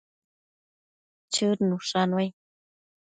Chëd nushannuai